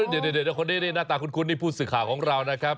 เดี๋ยวนี่หน้าตาคุ้นนี่ผู้ศึกขาของเรานะครับ